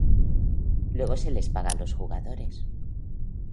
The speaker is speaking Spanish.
Luego se les paga a los jugadores.